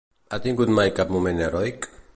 Ha tingut mai cap moment heroic?